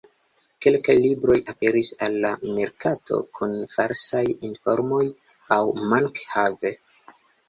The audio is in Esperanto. Kelkaj libroj aperis al la merkato kun falsaj informoj aŭ mank-have.